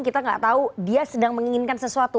kita nggak tahu dia sedang menginginkan sesuatu